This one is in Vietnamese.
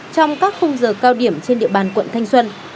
trong các khung giờ cao điểm trên địa bàn quận thanh xuân